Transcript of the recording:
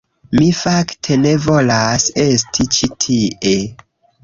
Mi fakte ne volas esti ĉi tie.